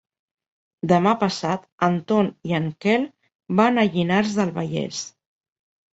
Demà passat en Ton i en Quel van a Llinars del Vallès.